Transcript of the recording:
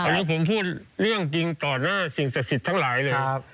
อันนี้ผมพูดเรื่องจริงต่อหน้าสิ่งศักดิ์สิทธิ์ทั้งหลายเลย